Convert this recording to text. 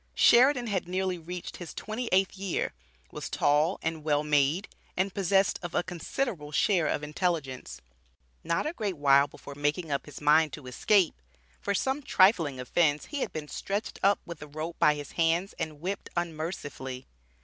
Sheridan had nearly reached his twenty eighth year, was tall and well made, and possessed of a considerable share of intelligence. Not a great while before making up his mind to escape, for some trifling offence he had been "stretched up with a rope by his hands," and "whipped unmercifully."